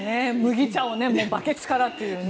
麦茶をバケツからというね。